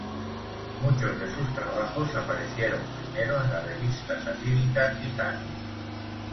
Muchos de sus trabajos aparecieron primero en la revista satírica "Titanic".